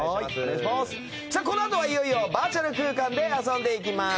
このあとはいよいよバーチャル空間で遊んでいきます。